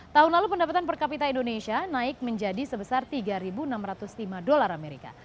tahun lalu pendapatan per kapita indonesia naik menjadi sebesar tiga enam ratus lima dolar amerika